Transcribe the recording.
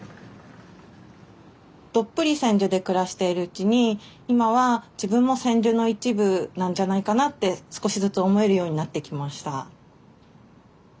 どっぷり千住で暮らしているうちに今は自分も千住の一部なんじゃないかなって少しずつ思えるようになってきました。